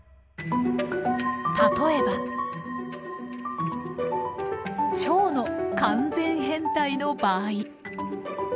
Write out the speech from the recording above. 例えばチョウの完全変態の場合。